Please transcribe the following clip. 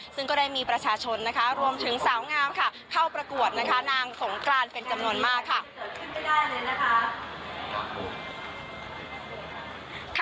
ซึ่งก็ได้มีประชาชนนะคะรวมถึงสาวงามค่ะเข้าประกวดนะคะนางสงกรานเป็นจำนวนมากค่ะ